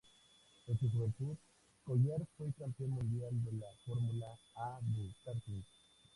En su juventud, Collard fue campeón mundial de la Fórmula A de karting.